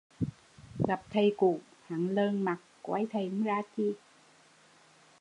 Gặp thầy cũ, hắn lờn mặt, coi thầy không ra chi